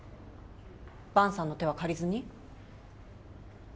萬さんの手は借りずに？